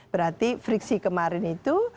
berarti friksi kemarin itu